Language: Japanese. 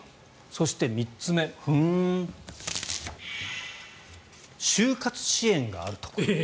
そして、３つ目就活支援があるところ。